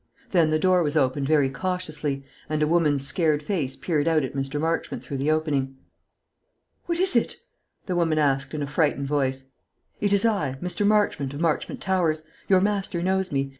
Then the door was opened very cautiously, and a woman's scared face peered out at Mr. Marchmont through the opening. "What is it?" the woman asked, in a frightened voice. "It is I, Mr. Marchmont, of Marchmont Towers. Your master knows me. Mr.